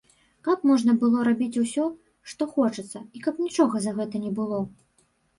Каб можна было рабіць усё, што хочацца, і каб нічога за гэта не было.